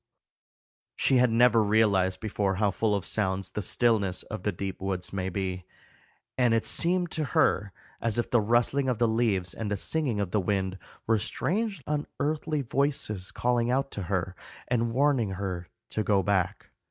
She had never realized before how full of sounds the stillness of the deep woods may be, and it seemed to her as if the rustling of the leaves and the singing of the wind were strange unearthly voices calling out to her and warning her to go back.